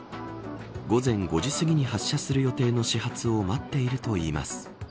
午前５時すぎに発車する予定の始発を待っているといいます。